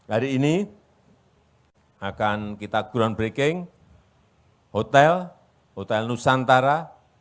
hari ini akan kita groundbreaking hotel hotel nusantara